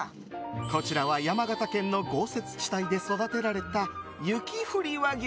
こちらは山形県の豪雪地帯で育てられた雪降り和牛